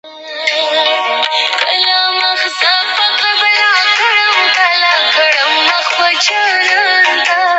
He served on the House committee that investigated the Iran-Contra Affair.